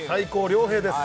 亮平です